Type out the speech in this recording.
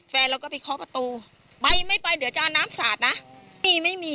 แฟนเราก็ไปเคาะประตูไปไม่ไปเดี๋ยวจะเอาน้ำสาดนะมีไม่มี